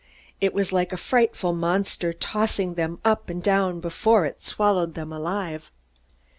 It was like a frightful monster, tossing them up and down before it swallowed them alive.